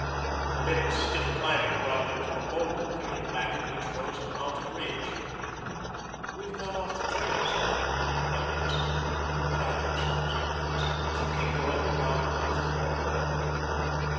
A bit of stiff climbing brought them to a boulder field back of which rose a mountain ridge. "We've got off the trail somehow," Elliot said. "But I don't suppose it matters. If we keep going we're bound to come to the waterfall."